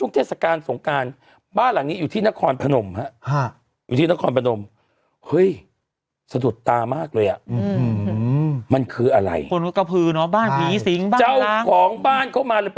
มีไงบ้านเดี่ยวของจริงน่ะแล้วดูสิอ๋อแล้วมีเจดีอยู่หน้าบ้านด้วยหรอหมด